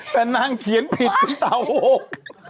แฟนนางเขียนผิดเป็นเต่าโบก